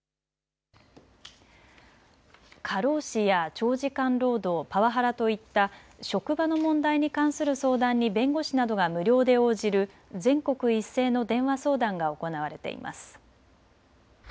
過労死や長時間労働、パワハラといった職場の問題に関する相談に弁護士などが無料で応じる全国一斉の電話相談が行われています。